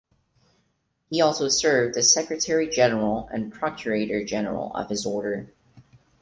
He also served as secretary general and procurator general of his order.